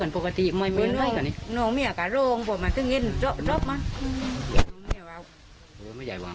ประอบจริง